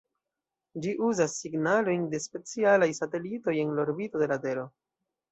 Ĝi uzas signalojn de specialaj satelitoj en la orbito de la tero.